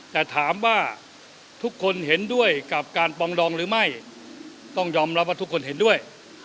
แต่ถามว่าทุกคนเห็นด้วยกับการปองดองหรือไม่ต้องยอมรับว่าทุกคนเห็นด้วย